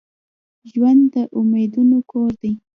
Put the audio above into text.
ژوند د امیدونو کور دي.